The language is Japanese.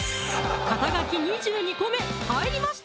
肩書き２２個目入りました